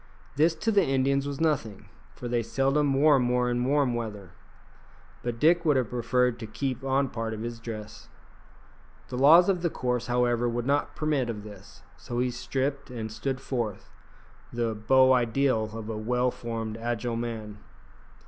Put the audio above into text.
This to the Indians was nothing, for they seldom wore more in warm weather; but Dick would have preferred to keep on part of his dress. The laws of the course, however, would not permit of this, so he stripped and stood forth, the beau ideal of a well formed, agile man.